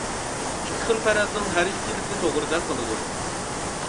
ئىككى خىل پەرەزنىڭ ھەر ئىككىلىسى توغرىدەك قىلىدۇ.